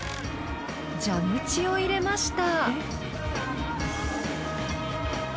蛇口を入れました。